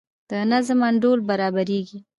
د نظم انډول برابریږي.